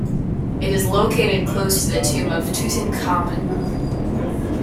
It is located close to the tomb of Tutankhamun.